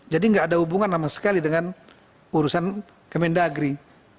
jadi enggak ada hubungan sama sekali dengan urusan kementerian negeri